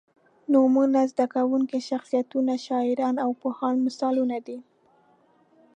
نومونه، زده کوونکي، شخصیتونه، شاعران او پوهان مثالونه دي.